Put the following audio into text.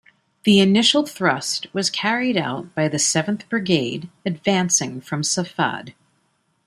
The initial thrust was carried out by the Seventh Brigade advancing from Safad.